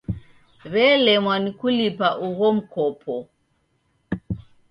W'elemwa ni kulipa ugho mkopo.